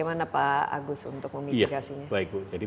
tanah abang ya